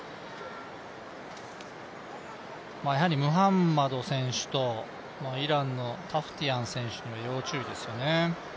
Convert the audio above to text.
やはりムハンマド選手とイランのタフティアン選手には要注意ですよね。